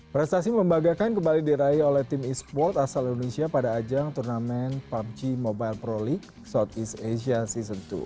prestasi membanggakan kembali diraih oleh tim e sport asal indonesia pada ajang turnamen pubg mobile pro league southeast asia season dua